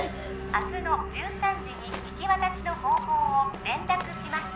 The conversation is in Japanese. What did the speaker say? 明日の１３時に引き渡しの方法を連絡します